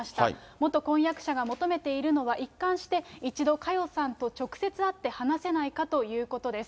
元婚約者が求めているのは、一貫して、一度、佳代さんと直接会って話せないかということです。